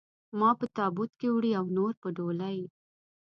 ما په تابوت کې وړي او نور په ډولۍ.